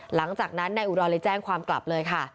หลังจากนั้นนายอุดรเลยแจ้งความกลับเลยค่ะ